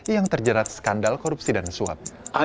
yang terjerat skandal korupsi dan suap